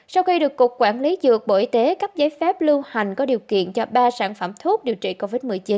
sau khi được cục quản lý dược bộ y tế cấp giấy phép lưu hành có điều kiện cho ba sản phẩm thuốc điều trị covid một mươi chín